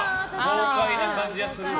豪快な感じはするわ。